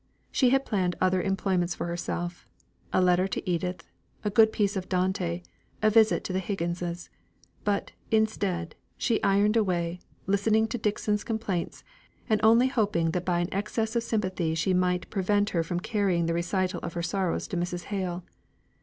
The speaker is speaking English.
She had planned other employments for herself: a letter to Edith, a good piece of Dante, a visit to the Higginses. But, instead, she ironed away, listening to Dixon's complaints, and only hoping that by an excess of sympathy she might prevent her from carrying the recital of her sorrows to Mrs. Hale.